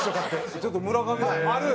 ちょっと村上のある？